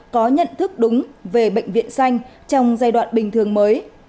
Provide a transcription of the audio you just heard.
có nhận thức đúng về bệnh viện xanh trong giai đoạn bình thường mới